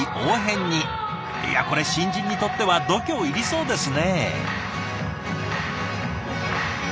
いやこれ新人にとっては度胸いりそうですね。